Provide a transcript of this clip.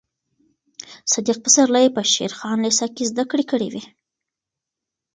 صدیق پسرلي په شېر خان لېسه کې زده کړې کړې وې.